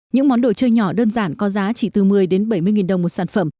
những món đồ chơi nhỏ đơn giản có giá chỉ từ một mươi bảy mươi nghìn đồng một sản phẩm